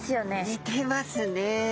似てますね。